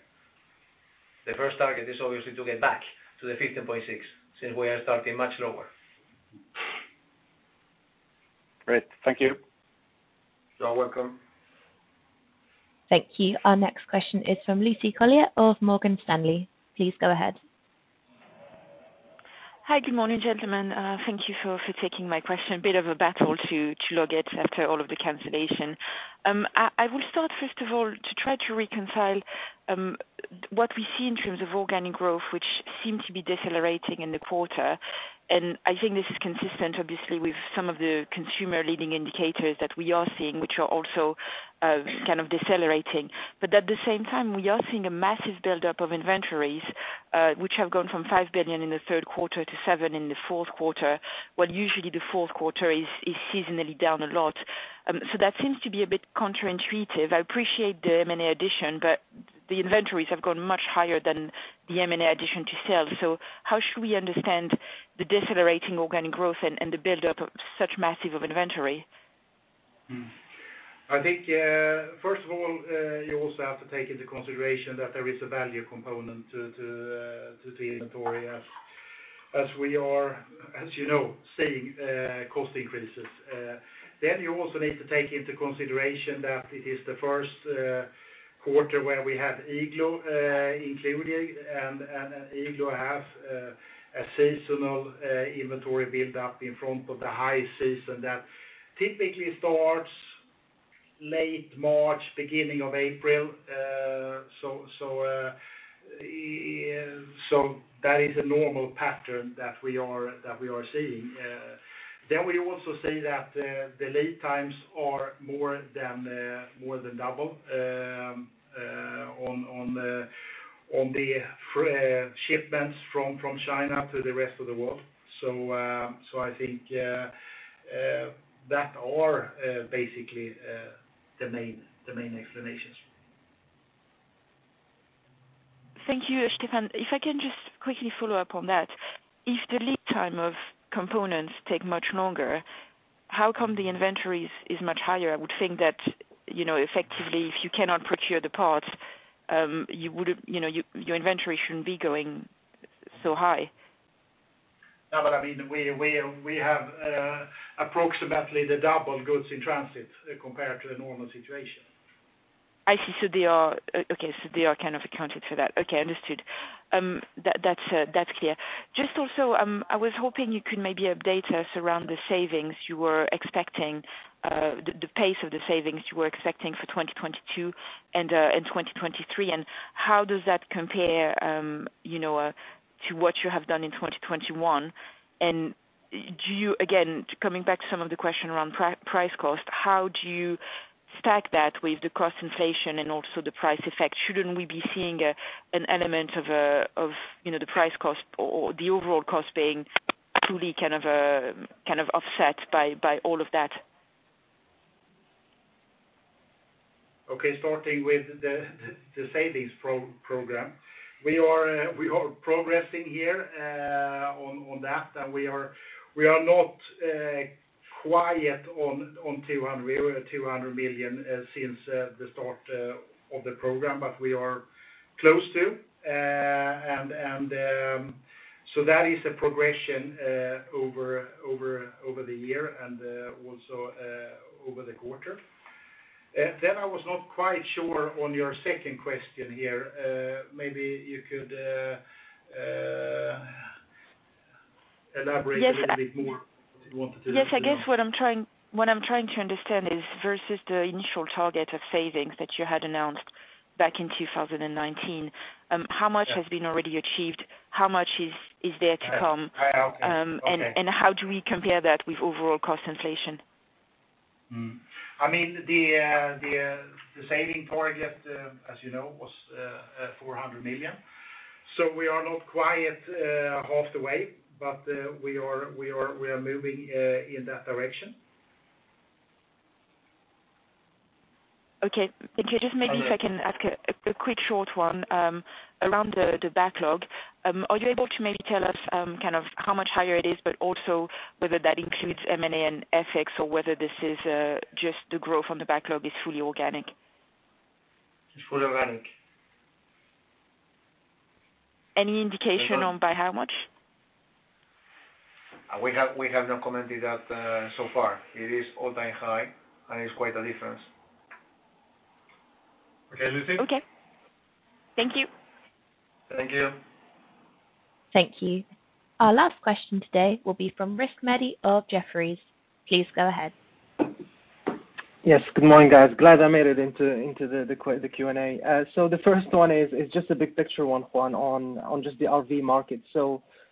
The first target is obviously to get back to the 15.6%, since we are starting much lower. Great. Thank you. You are welcome. Thank you. Our next question is from Lucie Carrier of Morgan Stanley. Please go ahead. Hi. Good morning, gentlemen. Thank you for taking my question. A bit of a battle to log in after all of the cancellation. I will start, first of all, to try to reconcile what we see in terms of organic growth, which seems to be decelerating in the quarter. I think this is consistent obviously with some of the consumer leading indicators that we are seeing, which are also kind of decelerating. At the same time, we are seeing a massive buildup of inventories, which have gone from 5 billion in the third quarter to 7 billion in the fourth quarter, when usually the fourth quarter is seasonally down a lot. That seems to be a bit counterintuitive. I appreciate the M&A addition, but the inventories have gone much higher than the M&A addition to sales. How should we understand the decelerating organic growth and the buildup of such massive inventory? I think first of all you also have to take into consideration that there is a value component to the inventory as we are, as you know, seeing cost increases. You also need to take into consideration that it is the first quarter where we have Igloo included, and Igloo have a seasonal inventory build up in front of the high season that typically starts late March, beginning of April. That is a normal pattern that we are seeing. We also see that the lead times are more than double on the shipments from China to the rest of the world. I think there are basically the main explanations. Thank you, Stefan. If I can just quickly follow up on that. If the lead time of components take much longer, how come the inventories is much higher? I would think that, you know, effectively, if you cannot procure the parts, you would have, you know, your inventory shouldn't be going so high. No, but I mean, we have approximately the double goods in transit compared to the normal situation. I see. So they are kind of accounted for that. Okay, understood. That's clear. Just also, I was hoping you could maybe update us around the savings you were expecting, the pace of the savings you were expecting for 2022 and 2023, and how does that compare, you know, to what you have done in 2021? Do you again coming back to some of the question around price cost, how do you stack that with the cost inflation and also the price effect? Shouldn't we be seeing an element of, you know, the price cost or the overall cost being truly kind of offset by all of that? Okay. Starting with the savings program. We are progressing here on that. We are not quite yet on 200 million since the start of the program, but we are close to. That is a progression over the year and also over the quarter. I was not quite sure on your second question here. Maybe you could elaborate a little bit more. Yes. If you want to do that. Yes. I guess what I'm trying to understand is versus the initial target of savings that you had announced back in 2019, how much Yeah. Has been already achieved? How much is there to come? Yeah. Okay. Okay. How do we compare that with overall cost inflation? I mean, the savings target, as you know, was 400 million. We are not quite half the way, but we are moving in that direction. Okay. Could you just maybe Okay. If I can ask a quick short one around the backlog. Are you able to maybe tell us kind of how much higher it is, but also whether that includes M&A and FX or whether this is just the growth on the backlog is fully organic? It's fully organic. Any indication on by how much? We have not commented that so far. It is all-time high, and it's quite a difference. Okay, Lucie? Okay. Thank you. Thank you. Thank you. Our last question today will be from Rizk Maidi of Jefferies. Please go ahead. Yes. Good morning, guys. Glad I made it into the Q&A. The first one is, it's just a big picture one, Juan, on just the RV market.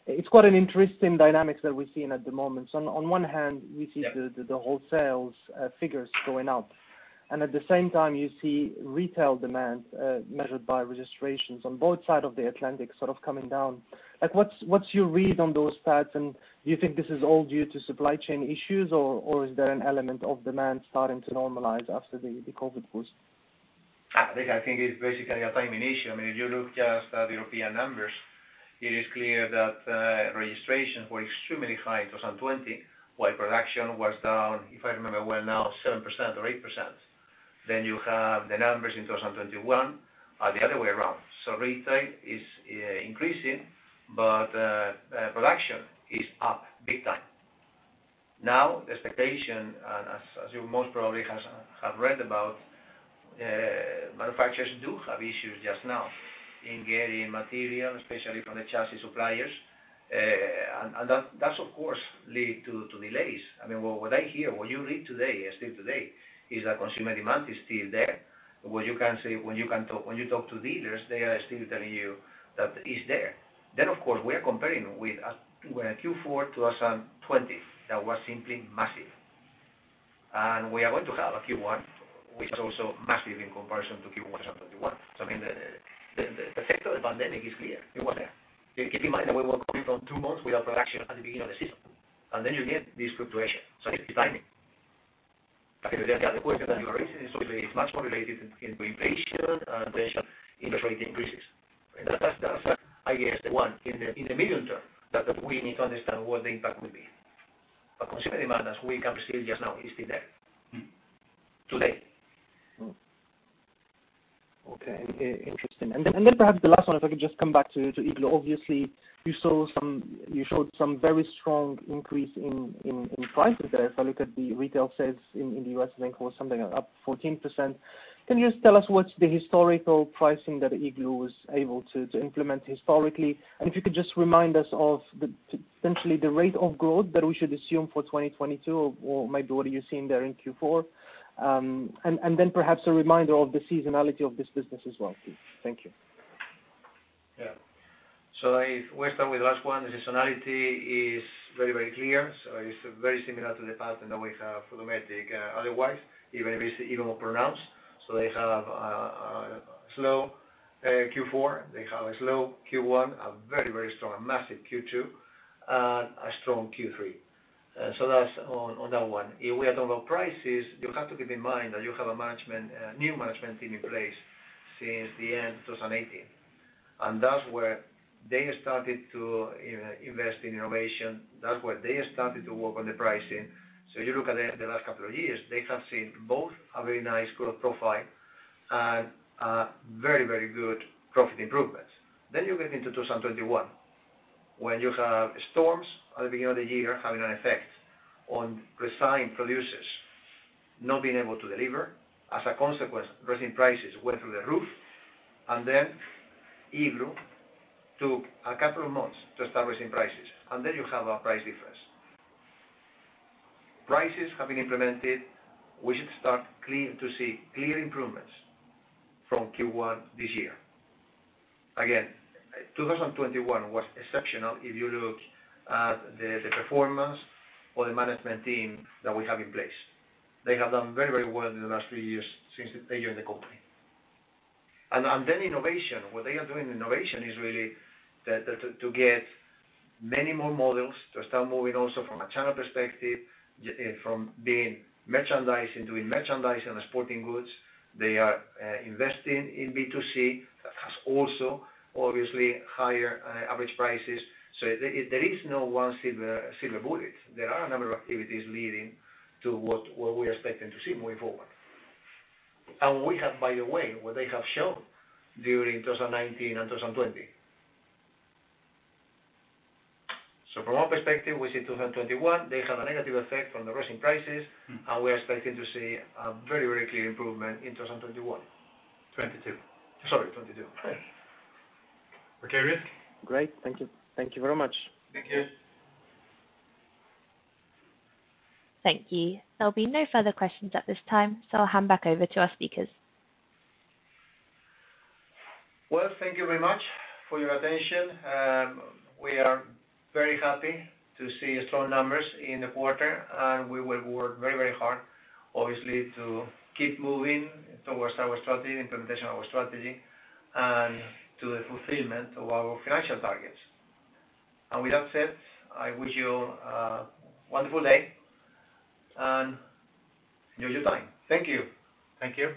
It's quite an interesting dynamics that we're seeing at the moment. On one hand, we see the- Yeah. The wholesale figures going up, and at the same time you see retail demand measured by registrations on both sides of the Atlantic sort of coming down. Like, what's your read on those patterns, and do you think this is all due to supply chain issues or is there an element of demand starting to normalize after the COVID boost? I think it's basically a timing issue. I mean, if you look just at the European numbers, it is clear that registrations were extremely high in 2020, while production was down, if I remember well, 7% or 8%. You have the numbers in 2021 are the other way around. Retail is increasing, but production is up big time. Now, the expectation, and as you most probably have read about, manufacturers do have issues just now in getting material, especially from the chassis suppliers. And that of course lead to delays. I mean, what I hear, what you read today, still today, is that consumer demand is still there. What you can say, when you can talk, when you talk to dealers, they are still telling you that it's there. Of course, we are comparing with a Q4 2020 that was simply massive. We are going to have a Q1 which is also massive in comparison to Q1 2021. I mean, the effect of the pandemic is clear. It was there. Keep in mind that we were coming from two months without production at the beginning of the season, and then you get this fluctuation. It's timing. The other question that you are raising is also it's much more related to inflation and potential interest rate increases. That's, I guess, the one in the medium term that we need to understand what the impact will be. Consumer demand, as we can see it just now, is still there. Today. Okay. Interesting. Perhaps the last one, if I could just come back to Igloo. Obviously you showed some very strong increase in prices there. If I look at the retail sales in the U.S., I think it was something up 14%. Can you just tell us what's the historical pricing that Igloo was able to implement historically? If you could just remind us of essentially the rate of growth that we should assume for 2022 or maybe what are you seeing there in Q4. Perhaps a reminder of the seasonality of this business as well, please. Thank you. Yeah. If we start with last one, the seasonality is very, very clear. It's very similar to the pattern that we have for Dometic, otherwise, even if it's even more pronounced. They have a slow Q4, they have a slow Q1, a very, very strong, massive Q2, and a strong Q3. That's on that one. If we are talking about prices, you have to keep in mind that you have a new management team in place since the end of 2018. That's where they started to invest in innovation. That's where they started to work on the pricing. You look at the last couple of years, they have seen both a very nice growth profile and a very, very good profit improvement. You get into 2021, where you have storms at the beginning of the year having an effect on resin producers not being able to deliver. As a consequence, resin prices went through the roof. Igloo took a couple of months to establish resin prices. You have a price difference. Prices have been implemented. We should start to see clear improvements from Q1 this year. Again, 2021 was exceptional if you look at the performance of the management team that we have in place. They have done very, very well in the last 3 years since they joined the company. Innovation. What they are doing in innovation is really to get many more models, to start moving also from a channel perspective, from being merchandise and doing merchandising and sporting goods. They are investing in B2C. That has also obviously higher average prices. There is no one silver bullet. There are a number of activities leading to what we're expecting to see moving forward. We have, by the way, what they have shown during 2019 and 2020. From our perspective, we see 2021, they have a negative effect from the resin prices. Mm-hmm. We are expecting to see a very, very clear improvement in 2022. Okay, Rizk. Great. Thank you. Thank you very much. Thank you. Thank you. There'll be no further questions at this time, so I'll hand back over to our speakers. Well, thank you very much for your attention. We are very happy to see strong numbers in the quarter, and we will work very, very hard, obviously, to keep moving towards our strategy, implementation of our strategy, and to the fulfillment of our financial targets. With that said, I wish you a wonderful day, and enjoy your time. Thank you. Thank you.